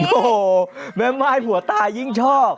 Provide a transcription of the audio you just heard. โหแม่งไม้หัวใจหัวใจยิ่งชอบ